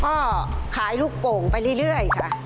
ก็ขายลูกโป่งไปเรื่อยค่ะ